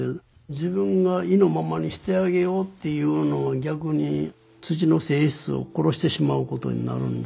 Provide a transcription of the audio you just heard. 自分が意のままにしてあげようっていうのは逆に土の性質を殺してしまうことになるんで。